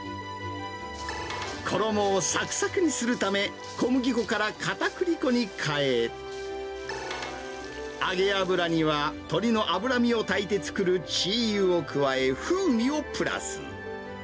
衣をさくさくにするため、小麦粉からかたくり粉に変え、揚げ油には、鶏の脂身を炊いて作るチー油を加え、風味をプラス。